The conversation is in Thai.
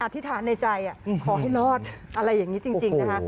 ธิษฐานในใจขอให้รอดอะไรอย่างนี้จริงนะคะ